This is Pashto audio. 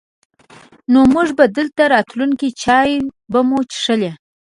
نو مونږ به دلته راتلو، چای به مو چښلې.